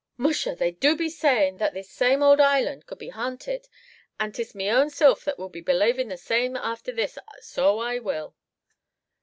"Musha! they do be sayin' that this same ould island do be ha'nted; and 'tis me own silf that will be belavin' the same afther this, so I will!"